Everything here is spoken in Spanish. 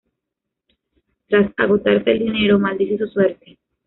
Tras agotarse el dinero, maldice su suerte.